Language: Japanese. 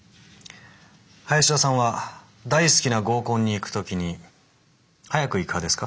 林田さんは大好きな合コンに行く時に早く行く派ですか？